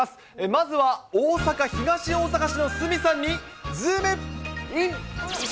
まずは大阪・東大阪市の鷲見さんにズームイン！！